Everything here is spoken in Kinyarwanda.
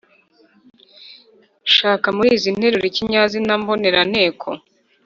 shaka muri izi nteruro ikinyazina mboneranteko,